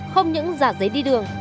không những giả giấy đi đường